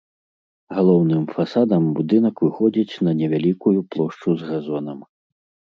Галоўным фасадам будынак выходзіць на невялікую плошчу з газонам.